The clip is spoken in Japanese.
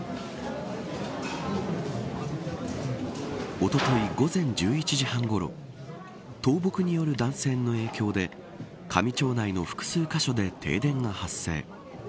おととい、午前１１時半ごろ倒木による断線の影響で香美町内の複数箇所で停電が発生。